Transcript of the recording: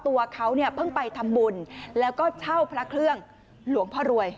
ตัวเขาเนี่ยเพิ่งไปทำบุญแล้วก็เช่าพระเครื่องหลวงพ่อรวย